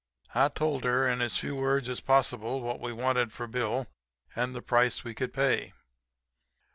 '"] "I told her in as few words as possible what we wanted for Bill, and the price we could pay.